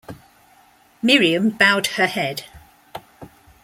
Miriam bowed her head.